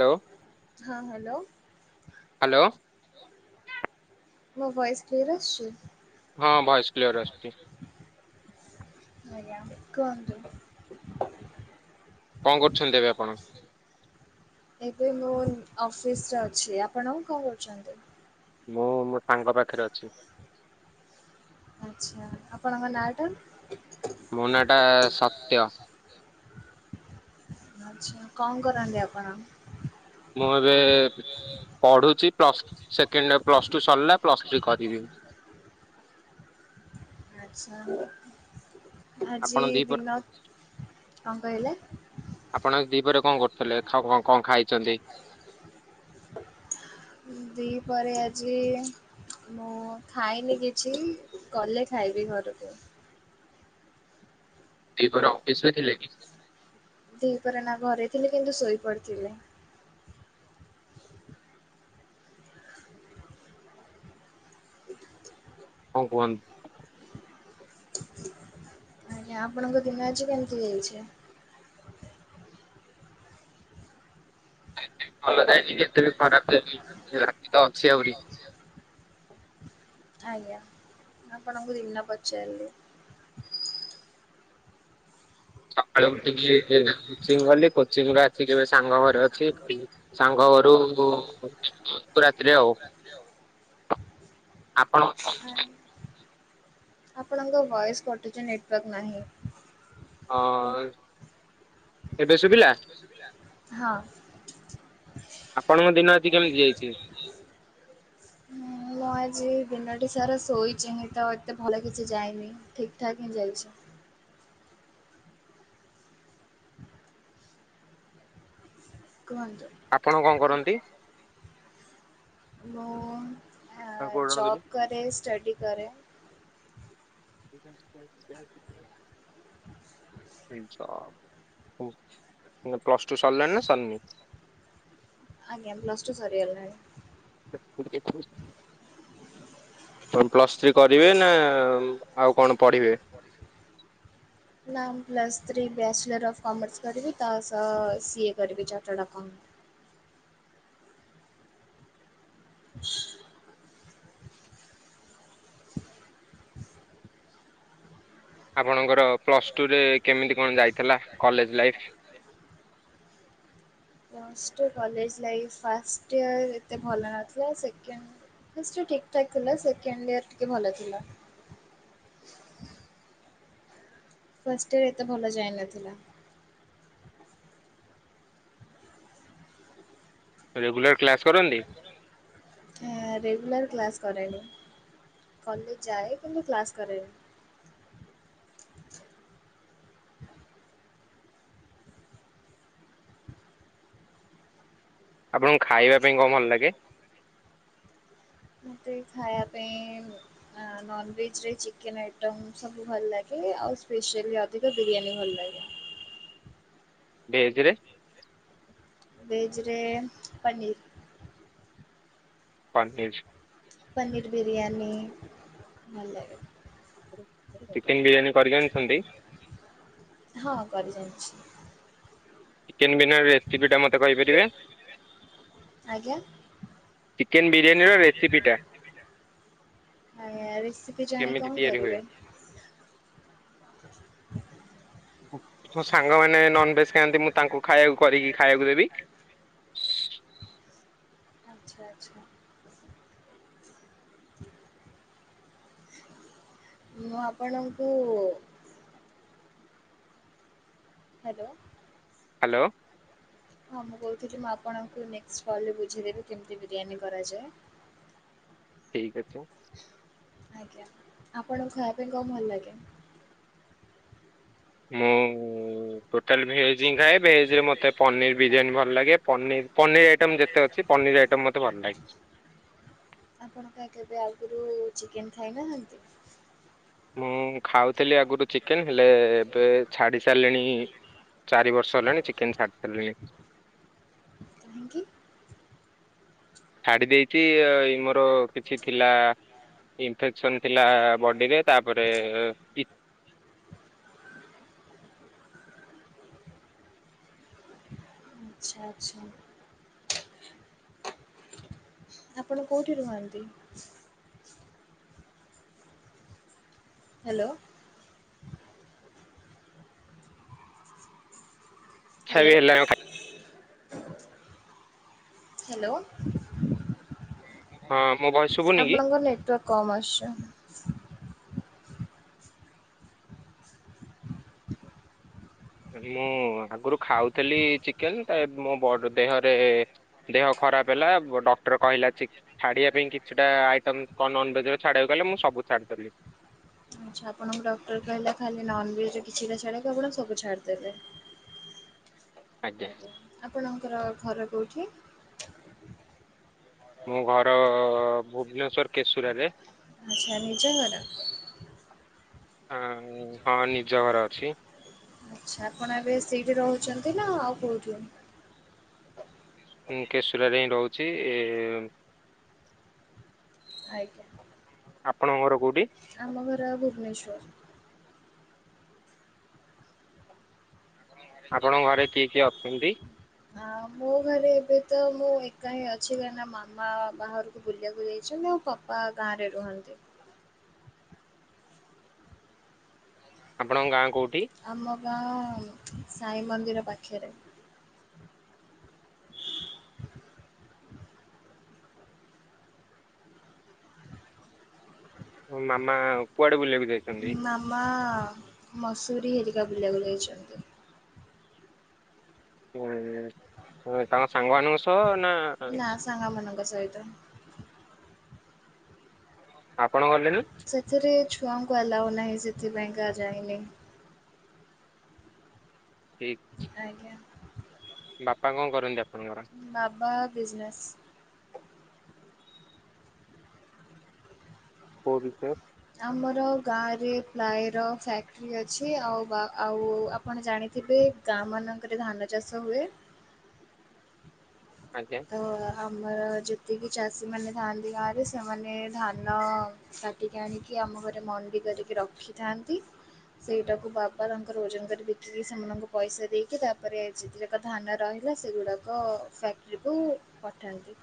ଲୋ ହାଁ hello. Hello. ମୋ voice clear ଆସୁଚି? ହଁ ଭଏସ୍ କ୍ଲିୟର ଆସୁଚି। ଆଜ୍ଞା କୁହନ୍ତୁ। କଣ୍ କରୁଛନ୍ତି ଏବେ ଆପଣ? ଏବେ ମୁଁ ଅଫିସରେ ଅଛି। ଆପଣ କଁ କରୁଚନ୍ତି? ମୁଁ ମୋ ସାଙ୍ଗ ପାଖେରେ ଅଛି। ଆଛା। ଆପଣଙ୍କ ନାଆଟା? ମୋ ନାଆଟା ସତ୍ୟ। ଆଛା। କଁ କରନ୍ତି ଆପଣ? ମୁଁ ଏବେ ପଢୁଛି plus second year plus two ସରିଲା, ପ୍ଲସ୍ ଥ୍ରୀ କରିବି ମୁଁ। ଆଛା। ଆପଣ ଆଜି ଦିପହରେ ଦିନର୍, କଁ କହିଲେ? ଆପଣ ଆଜି ଦିପହରେ କଁ କରୁଥିଲେ? ଖାଅ କଁ କଁ ଖାଇଚନ୍ତି? ଦିପଅରେ ଆଜି ମୁଁ ଖାଇନି କିଛି, ଗଲେ ଖାଇବି ଘରୁକୁ। ଦିପଅରେ ଅପିସରେ ଥିଲେ କି? ଦିପଅରେ ନା ଘରେ ଥିଲି, କିନ୍ତୁ ଶୋଇପଡିଥିଲି। କଣ କୁଅନ୍ ଆଜ୍ଞା। ଆପଣଙ୍କ ଦିନ ଆଜି କେମିତି ଯାଇଛି? [inaudible] ଅଛି ଆଉରି। ଆଜ୍ଞା ଆପଣଙ୍କୁ ଦିନ ପଚାରିଲି। ସକାଳୁ ଉଠିକି ଟିକେ କୋଚିଂ ଗଲି କୋଚିଂରୁ ଆସକି ଏବେ ସାଙ୍ଗ ଘରେ ଅଛି ଏତିକି। ସାଙ୍ଗଘରୁ ବୁ ରାତିରେ ଆଉ। ଆପଣ [inaudible] ଆ ଆପଣଙ୍କ ଭଏସ୍ କଟୁଚି ନେଟୱାର୍କ ନାହିଁ। ହଁ ଏବେ ଶୁଭିଲା? ଶୁଭିଲା? ହଁ। ଆପଣଙ୍କ ଦିନ ଆଜି କେମିତି ଯାଇଚି? ମୁଁ ଆଜି ଦିନଟି ସାରା ଶୋଇଚି ହିଁ ତ ଏତେ ଭଲ କିଛି ଯାଇନି ଠିକ୍ ଠାକ୍ ହିଁ ଯାଇଚି। କୁହନ୍ତୁ। ଆପଣ କଁ କରନ୍ତି? ମୁଁ ଆ କୋଉ ଜଣ ଦେଲେ? ଜବ୍ କରେ, ଷ୍ଟଡି କରେ। [inaudible] [unintelligible] ମାନେ ପ୍ଲସ ଟୁ ସରିଲଣି ନା ସରିନି? ଆଜ୍ଞା ପ୍ଲସ୍ ଟୁ ସରି ଗଲାଣି। କଣ ପ୍ଲସ୍ ଥ୍ରୀ କରିବେ ନା ଉମ ଆଉ କଣ ପଢ଼ିବେ? ନାଁ ମୁଁ plus three bachelor of commerce କରିବି ତା ସହ ସିଏ କରିବି ଚାର୍ଟାଡ଼ ଆକଉଣ୍ଟ। ଆପଣଙ୍କର ପ୍ଲସ୍ ଟୁରେ କେମିତି କଣ ଯାଇଥିଲା college life? Plus two college life first year ଏତେ ଭଲ ନଥିଲା ସେକେଣ୍ଡ ଫାଷ୍ଟ ଇୟର୍ ଠିକ୍ ଠାକ୍ ଥିଲା ସେକେଣ୍ଡ ଇୟର୍ ଟିକେ ଭଲ ଥିଲା। ଫାଷ୍ଟ ଇୟର ଏତେ ଭଲ ଯାଇନଥିଲା। ରେଗୁଲାର କ୍ଲାସ୍ କରନ୍ତି? ଆ ରେଗୁଲାର କ୍ଲାସ୍ କରେନି। କଲେଜ ଯାଏ କିନ୍ତୁ, କ୍ଲାସ୍ କରେନି। ଆପଣଙ୍କୁ ଖାଇବା ପାଇଁ କଣ ଭଲ ଲାଗେ? ମୋତେ ଖାଇବା ପାଇଁ ବ୍ ଆ ନନଭେଜ ରେ ଚିକେନ୍ ଆଇଟମ୍ ସବୁ ଭଲ ଲାଗେ ଆଉ ସ୍ପେସିଆଲି ଅଧିକ ବିରିୟାନୀ ଭଲ ଲାଗେ। ଭେଜ ରେ? ଭେଜରେ ପନୀର୍। ପନୀର୍। ପନୀର୍ ବିରିୟାନୀ ଭଲ ଲାଗେ। ଚିକେନ୍ ବିରିୟାନୀ କରି ଜାଣିଛନ୍ତି? ହଁ କରି ଜାଣିଛି। ଚିକେନ ବିରିୟାନୀ ରେସିପିଟା ମତେ କହିପାରିବେ? ଆଜ୍ଞା? ଚିକେନ୍ ବିରିୟାନୀର ରେସିପିଟା। ଆଜ୍ଞା ରେସିପି ଜାଣି କେମିତି କଣ ତିଆରି ହୁଏ? କରିବେ? ମୋ ସାଙ୍ଗମାନେ ନନ୍ଭେଜ୍ ଖାଆନ୍ତି ମୁଁ ତାଙ୍କୁ ଖାଇବାକୁ କରିକି ଖାଇବାକୁ ଦେବି। ଆଚ୍ଛା ଆଚ୍ଛା। ମୁଁ ଆପଣଙ୍କୁ ହାଲୋ। ହାଲୋ। ହଁ ମୁଁ କହୁଥିଲି ମୁଁ ଆପଣଙ୍କୁ ନେକ୍ସଟ୍ କଲରେ ବୁଝେଇଦେବି କେମିତି ବିରିୟାନୀ କରାଯାଏ। ଏଇ କଥା। ଆଜ୍ଞା ଆପଣଙ୍କୁ ଖାଇବା ପାଇଁ କଣ ଭଲ ଲାଗେ? ମୁଁ ଟୋଟାଲ୍ ଭେଜ୍ ହିଁ ଖାଏ ଭେଜରେ ମୋତେ ପନିର ବିରିୟାନୀ ଭଲ ଲାଗେ ପନିର୍ ପନିର୍ ଆଇଟମ୍ ଯେତେ ତେ ଅଛି ପନିର ଆଇଟମ୍ ମତେ ଭଲ ଲାଗେ। ଆପଣ କାଇଁ କେବେ ଆଗରୁ ଚିକେନ ଖାଇନାହାନ୍ତି? ମୁଁ ଖାଉଥିଲି ଆଗରୁ ଚିକେନ ହେଲେ ଏବେ ଛାଡ଼ି ସାରିଲିଣି ଚାରି ବର୍ଷ ହେଲାଣି ଚିକେନ୍ ଛାଡ଼ି ସାରିଲିଣି। କାହିଁକି? ଛାଡ଼ି ଦେଇଛି ଏଇ ମୋର କିଛି ଥିଲା ଇନଫେକ୍ସନ୍ ଥିଲା ବଡ଼ିରେ ତାପରେ ଏ ଏ ଆଚ୍ଛା ଆଚ୍ଛା। ଆପଣ କୋଉଠି ରୁହନ୍ତି? ହ୍ୟାଲୋ। ଇଚ୍ଛା ହ୍ୟାଲୋ ବି ହେଲାଣି ହ୍ୟାଲୋ। ହଁ ମୋ ଭଏସ୍ ଆପଣଙ୍କର ନେଟୱାର୍କ କମ ଆସୁଛି। ମୁଁ ଆଗରୁ ଖାଉଥିଲି ଚିକେନ ତ ଏବେ ମୋ ବ ଦେହରେ ଦେହ ଖରାପ ହେଲା ବଟ ଡକ୍ଟର କହିଲା ଚିକ୍ ଛାଡ଼ିବା ପାଇଁ କିଛିଟା ଆଇଟମ୍ କଣ ନନଭେଜ ଛାଡ଼ିବାକୁ କହିଲେ ମୁଁ ବି ସବୁ ଛାଡ଼ିଦେଲି। ଆଛା ଆପଣଙ୍କୁ ଡକ୍ଟର କହିଲା ଖାଲି ନନଭେଜ କିଛିଟା ଛାଡ଼ିବାକୁ ଆପଣ ସବୁ ଛାଡିଦେଲେ। ଆଜ୍ଞା। ଆପଣଙ୍କର ଘର କଉଠି? ମୋ ଘର ଭୁବନେଶ୍ୱର କେଶୁରାରେ। ଆଚ୍ଛା ନିଜ ଘର। ହଁ ହଁ ନିଜ ଘର ଅଛି। ଆଚ୍ଛା ଆପଣ ଏବେ ସେଇଠି ରହୁଛନ୍ତି ନା ଆଉ କୋଉଠି? ମୁଁ କେଶୁରାରେ ହିଁ ରହୁଛି। ଆଜ୍ଞା। ଆପଣଙ୍କର ଘର କୋଉଠି? ଆମ ଘର ଆଉ ଭୁବନେଶ୍ଵର। ଆପଣଙ୍କ ଘରେ କିଏ କିଏ ଅଛନ୍ତି? ହଁ ମୁଁ ଘରେ ଏବେ ତ ମୁଁ ଏକା ହିଁ ଅଛି କାହିଁନା ମାମା ବାହାରକୁ ବୁଲିବାକୁ ଯାଇଛନ୍ତି ନା ଆଉ ପା ବା ଗାଁ ରେ ରୁହନ୍ତି। ଆପଣଙ୍କ ଗାଁ କୋଉଁଠି? ଆମ ଗାଁ ସାଇ ମନ୍ଦିର ପାଖରେ। ମୋ ମାମା କୁଆଡେ ବୁଲିବା କୁ ଯାଇଛନ୍ତି? ମାମା ମସୁରୀ ହେରିକାକୁ ବୁଲିବାକୁ ଯାଇଛନ୍ତି। ହୁଁ ତାଙ୍କ ସାଙ୍ଗମାନଙ୍କ ସହ ନା ସାଙ୍ଗ ମାନଙ୍କ ସହିତ। ଆପଣ ଗଲେନି। ସେଥିରେ ଛୁଆଙ୍କୁ ଆଲାଉ ନାହିଁ ସେଥିପାଇକା ଯାାଇନି। ଠିକ୍। ଆଜ୍ଞା। ବାପା କଣ କରନ୍ତି ଆପଣଙ୍କର? ବାବା ବିଜ୍ନେଶ୍। କଉ ବିଟେକ୍। ଆମର ଗାଁରେ ପ୍ଲାଏର ଫ୍ୟାକ୍ଟ୍ରି ଅଛି ଆଉ- ଆଉ ଆପଣ ଜାଣିଥିବେ ଗାଁ ମାନଙ୍କରେ ଧାନ ଚାଷ ହୁଏ। ଆଜ୍ଞା। ତ ଆମର ଯେତିକି ଚାଷୀମାନେ ଥାଆନ୍ତି ଗାଁ ରେ ସେମାନେ ଧାନ କାଟିକି ଆଣିକି ଆମ ଘରେ ମଣ୍ଡି କରିକି ରଖିଥାନ୍ତି। ସେଇଟାକୁ ବାବା ତାଙ୍କର ଓଜନ କରି ବିକିକି ସେମାନଙ୍କୁ ପଇସା ଦେଇକି ତାପରେ ସେଥିର [unintelligible] ଧାନ ରହିଲା ସେଗୁଡ଼ାକ ଫ୍ୟାକ୍ଟ୍ରିକୁ ପଠାନ୍ତି।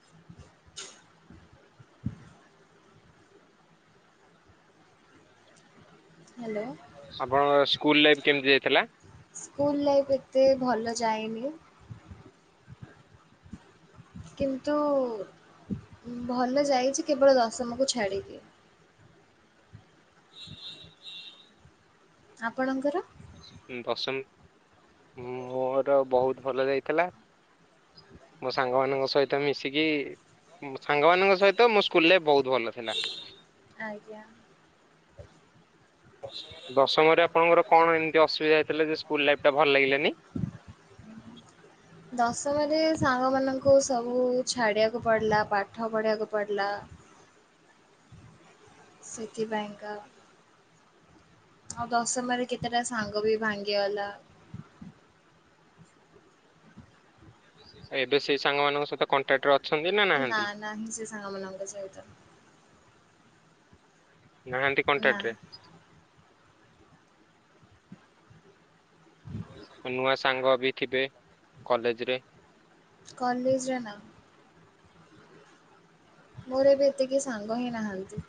[unintelligible] ହାଲୋ। ଆପଣଙ୍କ ସ୍କୁଲ ଲାଇଫ୍ କେମିତି ଯାଇଥିଲା? ସ୍କୁଲ୍ ଲାଇଫ୍ ଏତେ ଭଲ ଯାଇନି। କିନ୍ତୁ ଭଲ ଯାଇଚି କେବଳ ଦଶମକୁ ଛାଡ଼ିକି। ଆପଣଙ୍କର? ଦଶମ୍ ମୋର ବହୁତ୍ ଭଲ ଯାଇଥିଲା। ମୋ ସାଙ୍ଗ ମାନଙ୍କ ସହିତ୍ ତ ମିଶିକି ସାଙ୍ଗ ମାନଙ୍କ ସହିତ ମୋ ସ୍କୁଲରେ ବହୁତ୍ ଭଲ ଥିଲା। ଆଜ୍ଞା। ଦଶମରେ ଆପଣଙ୍କର କଣ ଏମିତି ଅସୁବିଧା ହେଇଥିଲା ଯେ ସ୍କୁଲ୍ ଲାଇଫ୍ ଟା ଭଲ ଲାଗିଲାନି? ହ [unintelligible] ଦଶମରେ ସାଙ୍ଗମାନଙ୍କୁ ସବୁ ଛାଡିବାକୁ ପଡିଲା ପାଠ ପଢିବାକୁ ପଡିଲା। ସେଥିପାଇଁ ଙ୍କା ଆଉ ଦଶମରେ କେତେଟା ସାଙ୍ଗ ବି ଭାଙ୍ଗିଗଲା। ହ [inaudible] ଏବେ ସେଇ ସାଙ୍ଗମାନଙ୍କ ସହିତ କଣ୍ଟାକ୍ଟ୍ ରେ ଅଛନ୍ତି ନା ନା ନାହାନ୍ତି? ନାହିଁ ସେ ସାଙ୍ଗ ମାନଙ୍କ ସହିତ। ନାହାନ୍ତି ନା କଣ୍ଟାକ୍ଟ୍ ରେ? ହ [inaudible] ନୂଆ ସାଙ୍ଗ ବି ଥିବେ କଲେଜ୍ ରେ। କଲେଜ୍ ରେ ନା। ମୋର ଏବେ ଏତେ କେହି ସାଙ୍ଗ ହିଁ ନାହାନ୍ତି।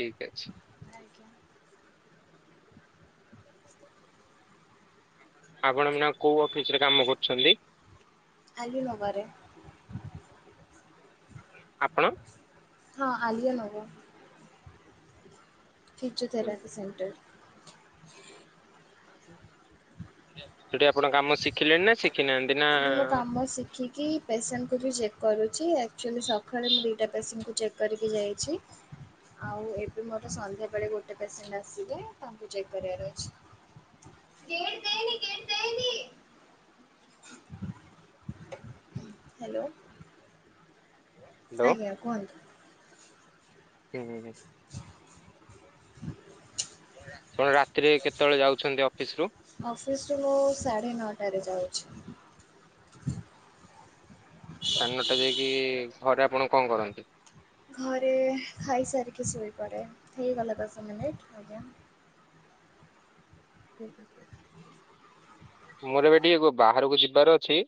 ଠିକ୍ ଅଛି। ଆଜ୍ଞା। ଆପଣ ଏଇନା କଉ ଅଫିସ୍ ରେ କାମ କରୁଚନ୍ତି? ଆଲି ନବାରେ। ଆପଣ। ହଁ ଆଲିଆ ନବ। Physiotherapy centre. ସେଇଠି ଆପଣ କାମ ଶିଖିଲେଣି ନା ଶିଖିନାହାନ୍ତି ନା ମୁ ଶିଖି କି ପେସେଣ୍ଟ୍ କୁ ବି ଚେକ୍ କରୁଚି ଆକ୍ଚୁଆଲି ସକାଳେ ମୁଁ ଦିଇଟା ପେସେଣ୍ଟ୍ କୁ ଚେକ୍ କରିକି ଯାଇଚି। ହଁ [inaudible] ଆଉ ଏବେ ମୋର ସନ୍ଧ୍ୟାବେଳେ ଗୋଟେ ପେସେଣ୍ଟ ଆସିବେ। ତାଙ୍କୁ ଚେକ୍ କରିବାର ଅଛି। କେଡ୍। ହାଲୋ। ହ୍ୟାଲୋ ଆଜ୍ଞା କୁହନ୍ତୁ। ହୁଁ ହୁଁ ହୁଁ [inaudible] ପୁଣି ରାତିରେ କେତେବେଳେ ଯାଉଛନ୍ତି ଅଫିସରୁ? ଅଫିସରୁୁ ମୁଁ ସାଢେ଼ ନଅଟାରେ ଯାଉଛି। ସାଢ଼େ ନଅଟା ଯାଇକି ଘରେ ଆପଣ କଣ କରନ୍ତି? ଘରେ ଖାଇସାରିକି ଶୋଇପଡ଼େ। ହେଇଗଲା ଦଶ ମିନିଟ୍ ଆଜ୍ଞା। ଠିକ୍ ଅଛି। ମୋର ଏବେ ଟିକେ ବାହାରକୁ ଯିବାର ଅଛି